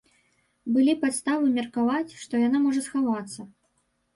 Былі падставы меркаваць, што яна можа схавацца.